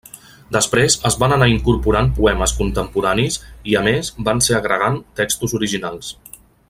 Després es van anar incorporant poemes contemporanis i a més van ser agregant textos originals.